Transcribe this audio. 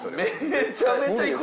めちゃめちゃいくぞ。